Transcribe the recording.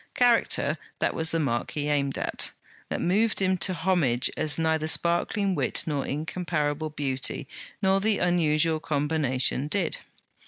Character, that was the mark he aimed at; that moved him to homage as neither sparkling wit nor incomparable beauty, nor the unusual combination, did.